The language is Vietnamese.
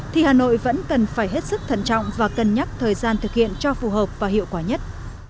thì hà nội vẫn cần phải hết sức thận trọng và cân nhắc thời gian thực hiện cho phù hợp và hiệu quả nhất